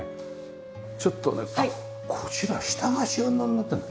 ちょっとねこちら下が収納になってるの。